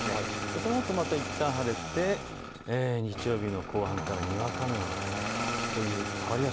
そのあとまたいったん晴れて日曜日の後半から、にわか雨なんです。